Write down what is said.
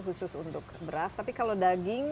khusus untuk beras tapi kalau daging